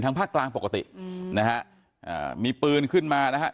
ทางภาคกลางปกตินะครับมีปืนขึ้นมานะครับ